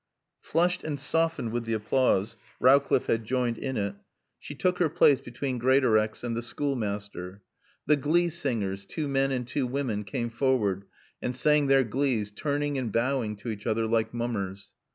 Flushed and softened with the applause (Rowcliffe had joined in it), she took her place between Greatorex and the schoolmaster. The glee singers, two men and two women, came forward and sang their glees, turning and bowing to each other like mummers.